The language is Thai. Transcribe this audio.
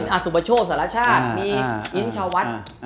อ่ะสุบชโชคสหรัฐชาติมีอินชาวัฒน์